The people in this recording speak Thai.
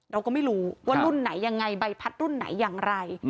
เราก็ไม่รู้ว่ารุ่นไหนยังไงใบพัดรุ่นไหนอย่างไร